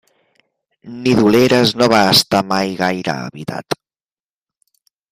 Nidoleres no va estar mai gaire habitat.